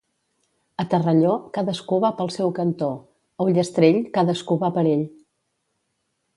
A Terrelló, cadascú va pel seu cantó; a Ullastrell, cadascú va per ell.